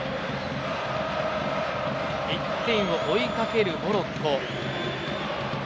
１点を追いかけるモロッコ。